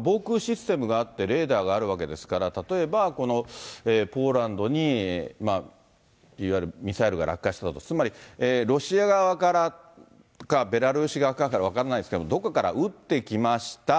防空システムがあって、レーダーがあるわけですから、例えばポーランドにいわゆるミサイルが落下したと、つまり、ロシア側からかベラルーシ側からか分かんないですけれども、どっかから撃ってきました。